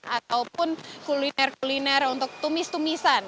ataupun kuliner kuliner untuk tumis tumisan